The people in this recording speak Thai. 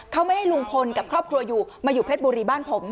เขาไม่ให้ลุงพลกับครอบครัวอยู่มาอยู่เพชรบุรีบ้านผม